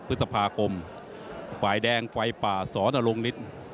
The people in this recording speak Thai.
พฤษภาคมฝ่ายแดงไฟป่าสอนรงฤทธิ์